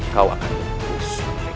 kau akan disulit penjaramu